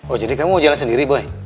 oh jadi kamu mau jalan sendiri buy